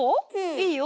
いいよ。